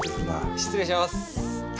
失礼します！